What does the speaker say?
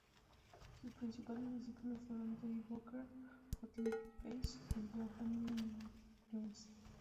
Sus principales discípulos fueron Teddy Buckner, Hot Lips Page y Jonah Jones.